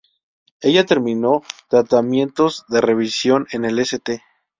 Ella terminó tratamientos de revisión en el St.